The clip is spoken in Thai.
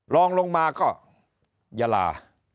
ลองลงมาก็ยาลา